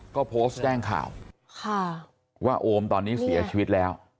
ก็โพสต์แจ้งข่าวว่าโอมตอนนี้เสียชีวิตแล้ว